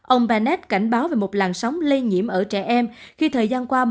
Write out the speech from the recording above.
ông banet cảnh báo về một làn sóng lây nhiễm ở trẻ em khi thời gian qua